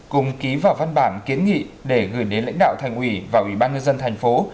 cùng ký vào văn bản kiến nghị để gửi đến lãnh đạo thành ủy và ủy ban nhân dân thành phố